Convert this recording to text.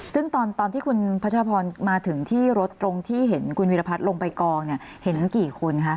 ซึ่งตอนที่คุณพัชพรมาถึงที่รถตรงที่เห็นคุณวิรพัฒน์ลงไปกองเนี่ยเห็นกี่คนคะ